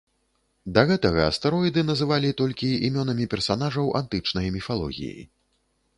Да гэтага астэроіды называлі толькі імёнамі персанажаў антычнай міфалогіі.